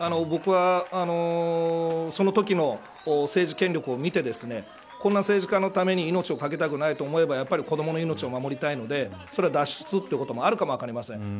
僕は、そのときの政治権力を見てこんな政治家のために命をかけたくないと思えばやっぱり子どもの命を守りたいのでそれは脱出ということもあるかもわかりません。